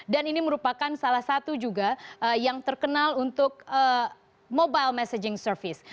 dan ini merupakan salah satu juga yang terkenal untuk mobile messaging service